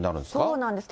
そうなんです。